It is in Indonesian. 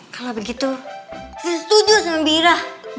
kalau begitu saya setuju sama mira